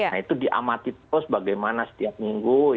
nah itu diamati terus bagaimana setiap minggu